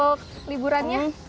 untuk liburan ya